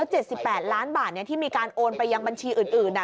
ก็๗๘ล้านบาทเนี่ยที่มีการโอนไปยังบัญชีอื่นน่ะ